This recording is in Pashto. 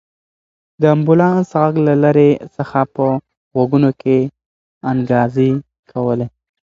د امبولانس غږ له لرې څخه په غوږونو کې انګازې کولې.